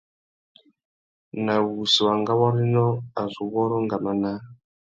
Nà wussi wa ngawôrénô, a zu wôrrô ngama naā.